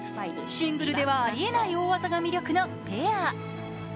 シングルではありえない大技が魅力のペア。